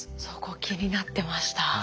そこ気になってました。